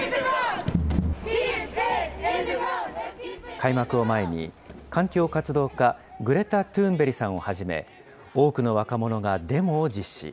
開幕を前に、環境活動家、グレタ・トゥーンベリさんをはじめ、多くの若者がデモを実施。